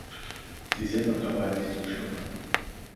Sie sind noch dabei, sich zu beschnuppern.